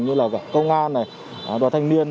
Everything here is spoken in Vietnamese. như là công an đoàn thanh niên